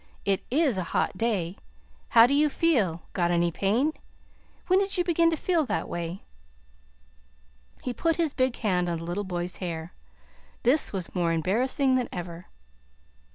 "It IS a hot day! How do you feel? Got any pain? When did you begin to feel that way?" He put his big hand on the little boy's hair. This was more embarrassing than ever.